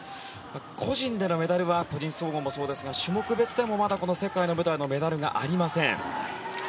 個人でのメダルは個人総合でもそうですが種目別でもまだこの世界の舞台でのメダルはありません。